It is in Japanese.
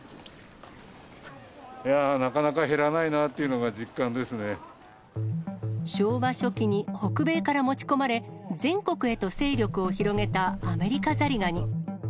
なかなか減らないなっていう昭和初期に北米から持ち込まれ、全国へと勢力を広げたアメリカザリガニ。